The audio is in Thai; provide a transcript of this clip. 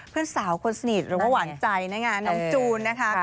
เพื่อนสาวคนสนิทเราก็หวานใจนะครับน้องจูนนะคะ